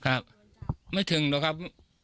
ครับไม่ถึงหรอกครับ